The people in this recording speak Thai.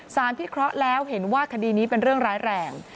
พิเคราะห์แล้วเห็นว่าคดีนี้เป็นเรื่องร้ายแรง